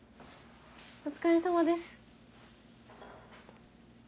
お疲れさまです。